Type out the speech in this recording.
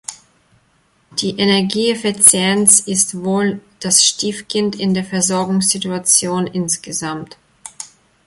Die Energieeffizienz ist wohl das Stiefkind in der Versorgungssituation insgesamt.